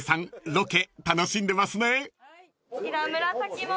ロケ楽しんでますね］